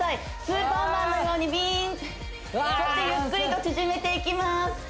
スーパーマンのようにビーンそしてゆっくりと縮めていきます